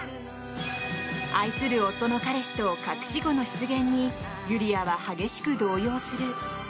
愛する夫の彼氏と隠し子の出現にゆりあは激しく動揺する。